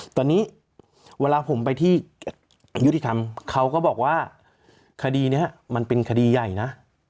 ตอนนี้เวลาผมไปที่อายุทธรรมเขาก็บอกว่าคดีนี้มันเป็นคดีใหญ่นะ